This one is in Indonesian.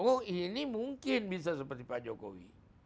oh ini mungkin bisa seperti pak jokowi